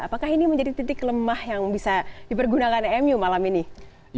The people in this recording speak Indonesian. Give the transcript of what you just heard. apakah ini menjadi titik lemah yang bisa dipergunakan mu malam ini